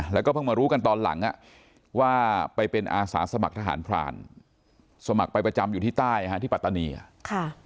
แล้วก็เพิ่งมารู้กันตอนหลังว่าไปเป็นอาสาสมัครทหารพรานสมัครไปประจำอยู่ที่ใต้ฮะที่ปัตตานีอ่ะค่ะ